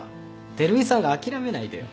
照井さんが諦めないでよ。